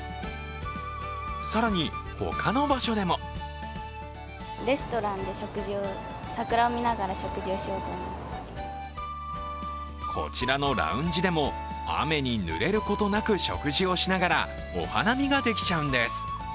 更に、他の場所でもこちらのラウンジでも雨にぬれることなく食事をしながらお花見ができちゃうんです。